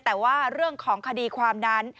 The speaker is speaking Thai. แต่ว่าเรื่องของคดีความนั้น